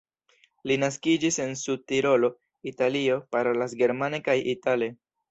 Li naskiĝis en Sud-Tirolo, Italio, parolas germane kaj itale.